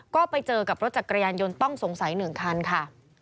ก็ไปเจอกับรถจักรยานยนต์ต้องสงสัย๑คันค่ะ